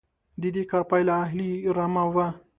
د دې کار پایله اهلي رمه وه.